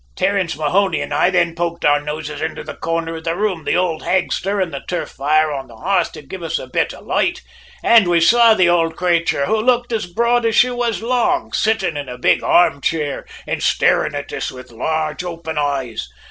"Terence Mahony and I then poked our noses into the corner of the room, the old hag stirrin' the turf fire on the hearth to give us a bit of loight; an' then we saw the ould crayture, who looked as broad as she was long, sittin' in a big armchere, an' starin' at us with large, open eyes.